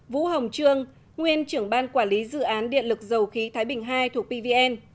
vũ hồng trương nguyên trưởng ban quản lý dự án điện lực dầu khí thái bình ii thuộc pvn